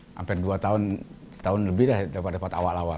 sampai dua tahun setahun lebih lah dapat awal awal